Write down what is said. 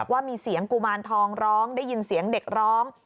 ว่ามีเสียงกุมารทองร้องได้ยินเสียงเด็กร้อง